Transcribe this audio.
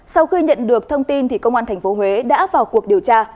sau khi nhận được thông tin công an tp huế đã vào cuộc điều tra